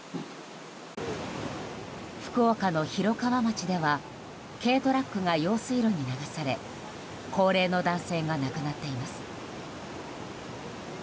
福岡の広川町では軽トラックが用水路に流され高齢の男性が亡くなっています。